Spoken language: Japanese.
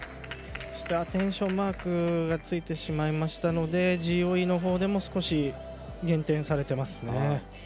アテンションマークがついてしまいましたのでＧＯＥでも少し減点されていますね。